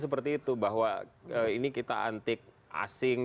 seperti itu bahwa ini kita antik asing